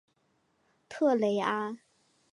特雷阿。